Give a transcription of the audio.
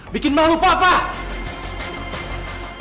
bikin malu pak pak